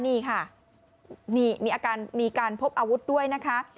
นี่ค่ะนี่มีการพบอาวุธด้วยนะคะ